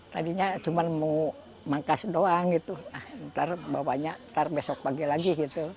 tadinya cuma mau manggas doang nanti bapaknya besok pagi lagi